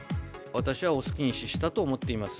私は遅きに失したと思っております。